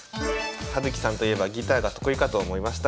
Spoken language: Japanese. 葉月さんといえばギターが得意かと思いました。